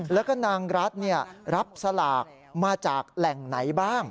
แล้วก็นางรัฐรับสลากมาจากแหล่งไหนบ้าง